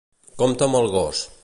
Compte amb el gos.